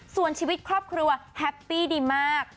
ส่วนชีวิตครอบครัวแฮปปี้ดีมาก